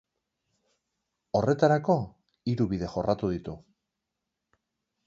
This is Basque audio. Horretarako, hiru bide jorratu ditu.